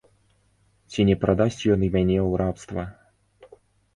Ці не прадасць ён мяне ў рабства?